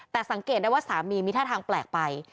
แต่สังเกตได้ว่าสามีมีท่าทางแปลกไป